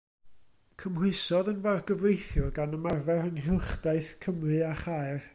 Cymhwysodd yn fargyfreithiwr gan ymarfer yng Nghylchdaith Cymru a Chaer.